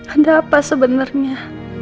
ada apa sebenarnya